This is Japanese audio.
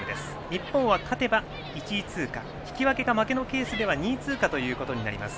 日本は勝てば１位通過引き分けか、負けのケースでは２位通過となります。